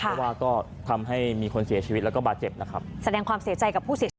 เพราะว่าก็ทำให้มีคนเสียชีวิตและบาดเจ็บนะครับ